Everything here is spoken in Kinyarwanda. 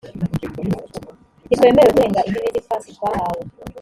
ntitwemerwe kurenga imbibi z’ifasi twahawe